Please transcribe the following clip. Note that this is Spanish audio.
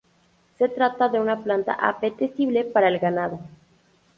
Se trata de una planta apetecible para el ganado.